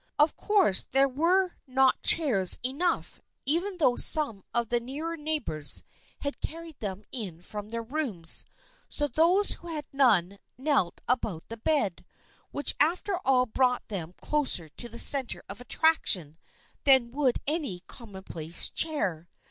Of course there were not chairs enough, even though some of the nearer neighbors had carried them in from their rooms, so those who had none knelt about the bed, which after all brought them closer to the centre of attraction than would any commonplace chair.